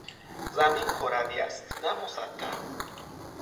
زمین کروی است نه مسطح.